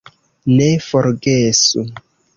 Ne forgesu!